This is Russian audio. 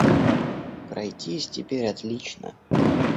Пройтись теперь отлично.